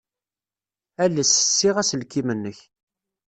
Ales ssiɣ aselkim-nnek.